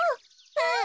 うん！